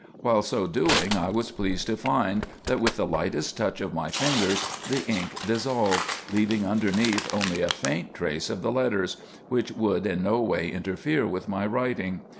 While so doing I was pleased to find that with the lightest touch of my fingers the ink dissolved, leaving underneath only a faint trace of the letters, which would in no way interfere with my writing.